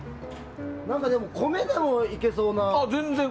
米でもいけそうな。